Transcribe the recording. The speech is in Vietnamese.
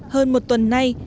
hơn một tuần nay